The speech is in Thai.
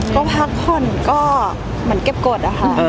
ก็พักผ่อนก็เหมือนเก็บกฎอะค่ะ